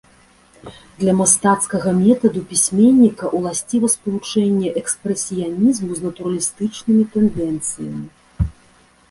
Для мастацкага метаду пісьменніка ўласціва спалучэнне экспрэсіянізму з натуралістычнымі тэндэнцыямі.